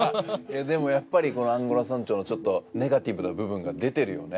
でもやっぱりアンゴラ村長のちょっとネガティブな部分が出てるよね。